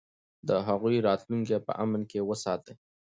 د هغوی راتلونکی په امن کې وساتئ.